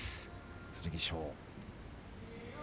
剣翔。